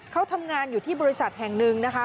เขาทำงานอยู่ที่บริษัทแห่งหนึ่งนะคะ